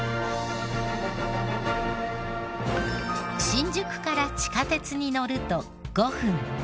新宿から地下鉄に乗ると５分。